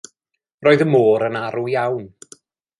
Roedd y môr yn arw iawn.